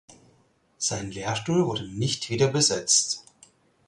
Sein Lehrstuhl wurde nicht wieder besetzt.